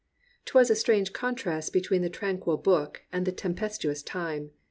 'Twas a strange contrast between the tranquil book and the tempestuous time.